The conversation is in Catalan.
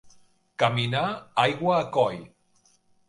Caminar aigua a coll.